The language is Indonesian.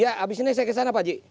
ya abis ini saya kesana pak j